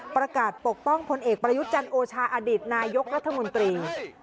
ประกาศปกป้องผลเอกประยุทธ์จันทร์โอชาอดิษฐ์นายกรัฐมนตรี